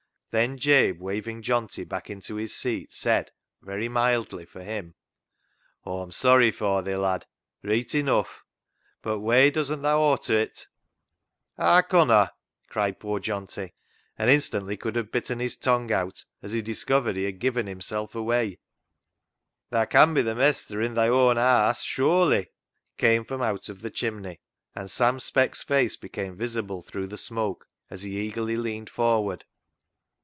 Then Jabe, waving Johnty back into his seat, said, very mildly for him —" Aw'm sorry for thi, lad, reet enuff ; but whey doesn't tha awter it ?"" Haa con Aw?" cried poor Johnty, and FOR BETTER, FOR WORSE 173 instantly could have bitten his tongue out as he discovered he had given himself away. " Tha can be th' mestur i' thi own haase sure/z'," came from out of the chimney, and Sam Speck's face became visible through the smoke as he eagerly leaned forward.